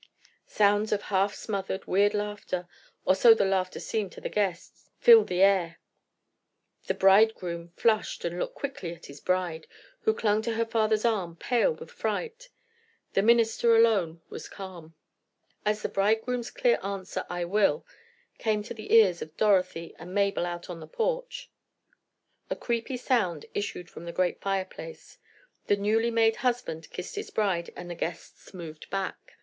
Sounds of half smothered, weird laughter—or so the laughter seemed to the guests—filled the air. The bridegroom flushed and looked quickly at his bride, who clung to her father's arm, pale with fright. The minister alone was calm. As the bridegroom's clear answer: "I will" came to the ears of Dorothy and Mabel out on the porch, a creepy sound issued from the great fireplace. The newly made husband kissed his bride, and the guests moved back.